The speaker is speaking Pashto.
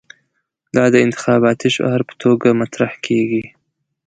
دا د انتخاباتي شعار په توګه مطرح کېږي.